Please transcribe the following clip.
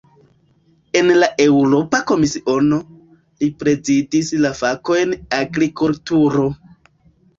En la Eŭropa Komisiono, li prezidis la fakojn "agrikulturo".